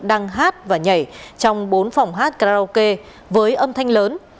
đang hát và nhảy trong bốn phòng hát karaoke với âm thanh lớn